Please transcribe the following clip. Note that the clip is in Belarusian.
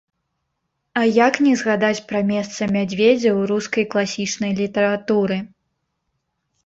А як не згадаць пра месца мядзведзя ў рускай класічнай літаратуры.